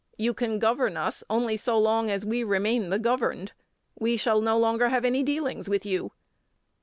You can govern us only so long as we remain the governed; we shall no longer have any dealings with you."